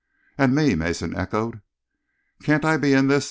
"And me," Mason echoed. "Can't I be in this?"